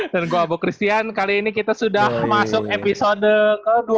dan gue abok kristian kali ini kita sudah masuk episode ke dua puluh tujuh